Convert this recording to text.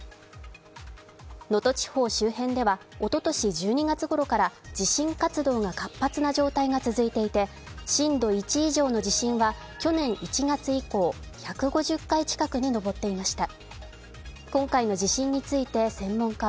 能登地方周辺ではおととし１２月ごろから地震活動が活発な状態が続いていて震度１以上の地震は去年１月以降、１５０回近くにのぼっていました。